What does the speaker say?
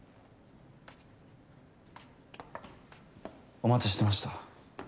お待ちしてました。